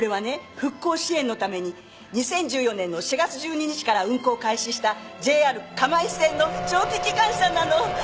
復興支援のために２０１４年の４月１２日から運行を開始したＪＲ釜石線の蒸気機関車なの。